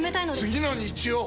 次の日曜！